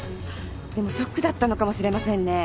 でもショックだったのかもしれませんね。